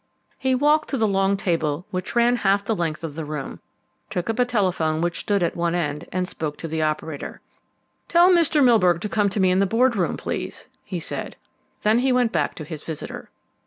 He walked to a long table which ran half the length of the room, took up a telephone which stood at one end, and spoke to the operator. "Tell Mr. Milburgh to come to me in the board room, please," he said. Then he went back to his visitor.